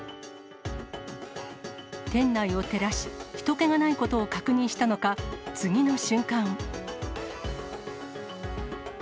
店内を照らし、ひと気がないことを確認したのか、次の瞬間。